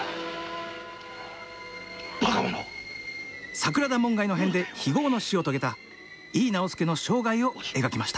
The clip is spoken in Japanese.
桜田門外の変で非業の死を遂げた井伊直弼の生涯を描きました。